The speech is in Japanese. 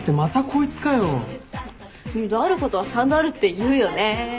二度あることは三度あるっていうよね。